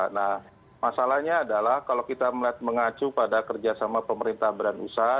nah masalahnya adalah kalau kita melihat mengacu pada kerjasama pemerintah badan usaha